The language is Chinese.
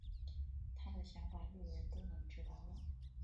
他的想法路人都能知道了。